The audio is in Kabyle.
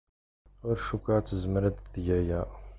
Ur cikkeɣ ad tezmer ad teg aya.